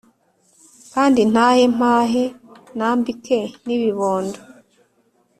Kandi ntahe mpahe Nambike n’ibibondo